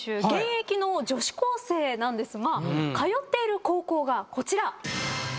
現役の女子高生なんですが通っている高校がこちら。